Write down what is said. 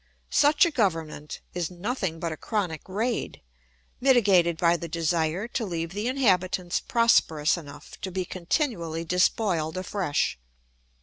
Such a government is nothing but a chronic raid, mitigated by the desire to leave the inhabitants prosperous enough to be continually despoiled afresh.